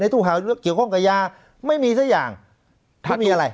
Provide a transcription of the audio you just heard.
ตู้หาเกี่ยวข้องกับยาไม่มีสักอย่างไม่มีอะไร